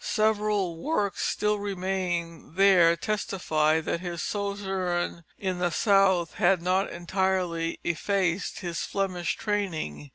Several works still remaining there testify that his sojourn in the South had not entirely effaced his Flemish training.